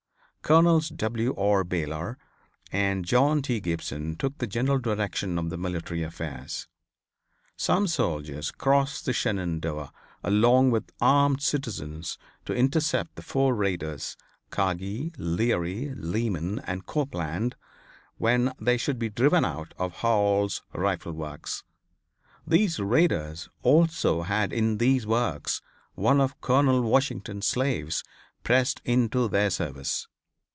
Colonels W. R. Baylor and John T. Gibson took the general direction of the military affairs. Some soldiers crossed the Shenandoah along with armed citizens to intercept the four raiders Kagi, Leary, Leeman and Copeland, when they should be driven out of Hall's Rifle Works. These raiders also had in these works one of Colonel Washington's slaves pressed into their service.